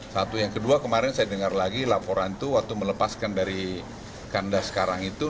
satu yang kedua kemarin saya dengar lagi laporan itu waktu melepaskan dari kandas sekarang itu